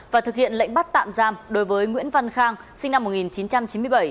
và thực hiện lệnh bắt tạm giam đối với nguyễn văn khang sinh năm một nghìn chín trăm chín mươi bảy